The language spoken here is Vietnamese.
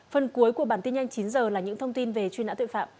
phần cuối của bản tin nhanh chín h là những thông tin về truy nã tội phạm